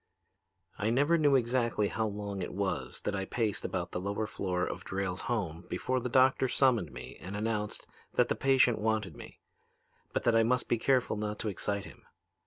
"I never knew exactly how long it was that I paced about the lower floor of Drayle's home before the doctor summoned me and announced that the patient wanted me, but that I must be careful not to excite him.